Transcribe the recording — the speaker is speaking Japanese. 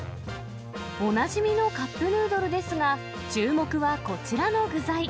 おなじみのカップヌードルですが、注目はこちらの具材。